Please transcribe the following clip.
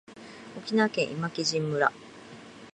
沖縄県今帰仁村